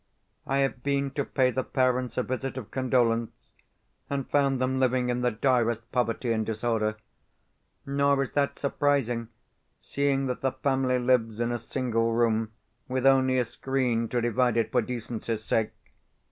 I have been to pay the parents a visit of condolence, and found them living in the direst poverty and disorder. Nor is that surprising, seeing that the family lives in a single room, with only a screen to divide it for decency's sake.